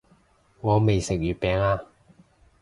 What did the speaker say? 我未食月餅啊